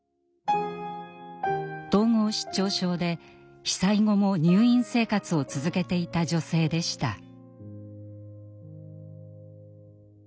統合失調症で被災後も入院生活を続けていた女性でした。